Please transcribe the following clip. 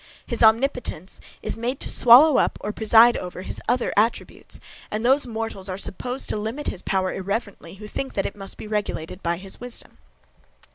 His omnipotence is made to swallow up, or preside over his other attributes, and those mortals are supposed to limit his power irreverently, who think that it must be regulated by his wisdom.